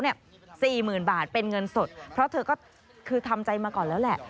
สี่หมื่นบาทเป็นเงินสดเพราะเธอก็คือทำใจมาก่อนแล้วแหละ